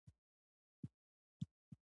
د ميرويس خان سر درد کاوه.